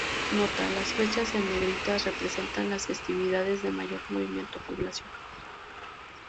Nota: Las fechas en negritas representan las festividades de mayor movimiento poblacional.